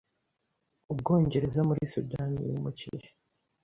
Ubwongereza muri Sudani yimukiye